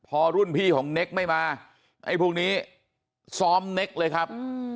พอรุ่นพี่ของเน็กไม่มาไอ้พวกนี้ซ้อมเน็กเลยครับ